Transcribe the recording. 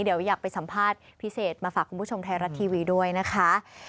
เดี๋ยวอยากไปสัมภาษณ์พิเศษมาฝากคุณผู้ชมไทยรัฐทีวีด้วยนะคะ